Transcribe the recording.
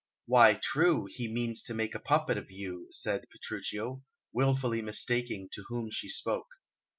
"Why, true, he means to make a puppet of you," said Petruchio, wilfully mistaking to whom she spoke.